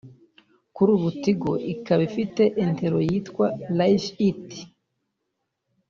Kuri ubu Tigo ikaba ifite intero yitwa ‘Live it